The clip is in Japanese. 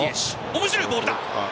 面白いボールだ。